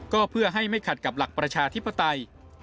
ก็เพื่อให้ไม่ขัดกับหลักประชาธิปไตย